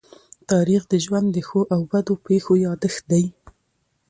تاریخ د ژوند د ښو او بدو پېښو يادښت دی.